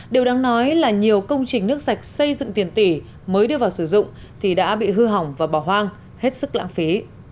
điều đáng nói là nhiều công trình nước sạch xây dựng tiền tỷ mới đưa vào sử dụng thì đã bị hư hỏng và bỏ hoang hết sức lãng phí